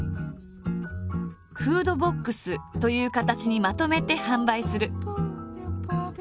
フードボックスという形にまとめて販売する。